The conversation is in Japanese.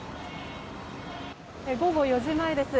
午後４時前です。